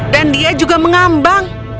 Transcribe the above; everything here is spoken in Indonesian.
dan dia juga mengambangku